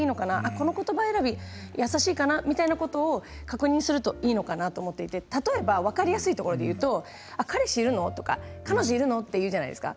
このことば選び優しいかなみたいなことを確認するといいのかなと思っていて例えば分かりやすいところでいうと彼氏いるの？とか彼女いるの？と言うじゃないですか。